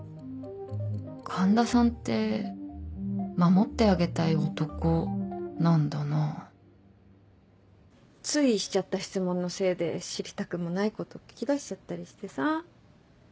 環田さんって「守ってあげたい男」なついしちゃった質問のせいで知りたくもないこと聞き出しちゃったりしてさ。